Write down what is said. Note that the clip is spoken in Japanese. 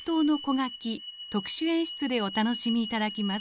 書特殊演出でお楽しみいただきます。